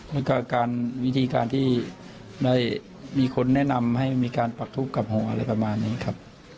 แล้วก็การวิธีการที่ได้มีคนแนะนำให้มีการปักทุบกับหัวอะไรประมาณนี้ครับ